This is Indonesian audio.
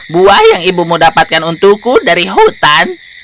buah yang ibumu dapatkan untukku dari hutan